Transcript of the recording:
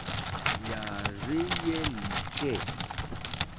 Yààrzéyɛ́ lìkɛ̂.